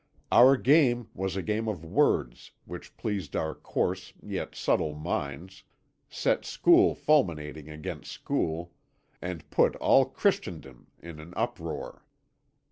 Our game was a game of words which pleased our coarse yet subtle minds, set school fulminating against school, and put all Christendom in an uproar.